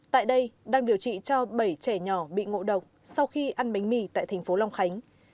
tại đây đang điều trị cho bảy trẻ nhỏ bị ngộ độc sau khi ăn bánh mì tại thành phố long khánh